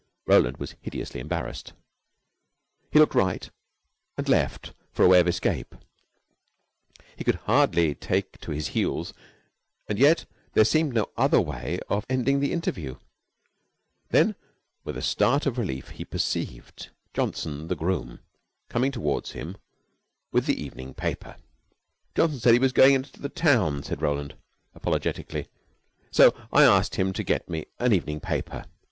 Roland was hideously embarrassed. He looked right and left for a way of escape. He could hardly take to his heels, and yet there seemed no other way of ending the interview. Then, with a start of relief, he perceived Johnson the groom coming toward him with the evening paper. "Johnson said he was going into the town," said Roland apologetically, "so I asked him to get me an evening paper.